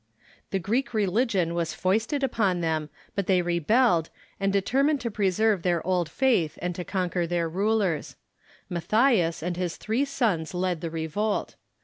The Greek religion Avas foisted upon them, but they rebelled, and determined to preserve their old faith and to conquer their rulers, Mattathias and his three sons led the revolt.